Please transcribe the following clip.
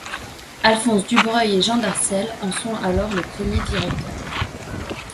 Alphonse Du Breuil et Jean Darcel en sont alors les premiers directeurs.